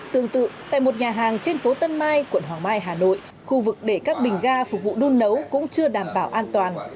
tương tự tại một nhà hàng trên phố tân mai quận hoàng mai hà nội khu vực để các bình ga phục vụ đun nấu cũng chưa đảm bảo an toàn